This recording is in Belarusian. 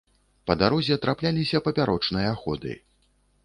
Па дарозе трапляліся папярочныя ходы.